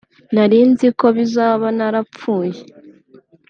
nari nzi ko bizaba narapfuye